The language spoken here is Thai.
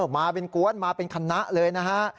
มาเป็นกวนมาเป็นคณะเลยนะฮะ